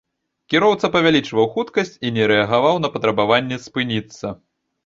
Кіроўца павялічваў хуткасць і не рэагаваў на патрабаванне спыніцца.